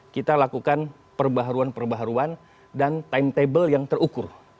kita lakukan perbaharuan perbaharuan dan timetable yang terukur